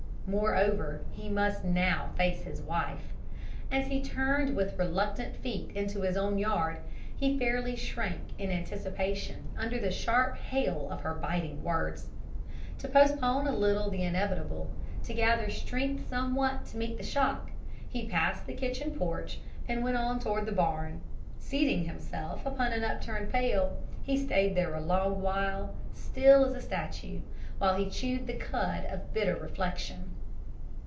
Moreover, he must now face his wife. As he turned with reluctant feet into his own yard he fairly shrank in anticipation under the sharp hail of her biting words. To postpone a little the inevitable, to gather strength somewhat to meet the shock, he passed the kitchen porch and went on toward the barn. Seating himself upon an upturned pail, he stayed there a long while, still as a statue, while he chewed the cud of bitter reflection.